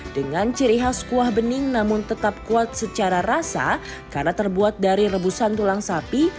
dengan ciri khas kuah bening namun tetap kuat secara rasa karena terbuat dari rebusan tulang sapi